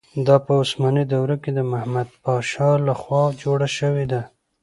دا په عثماني دوره کې د محمد پاشا له خوا جوړه شوې ده.